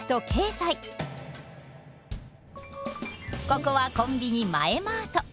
ここはコンビニマエマート。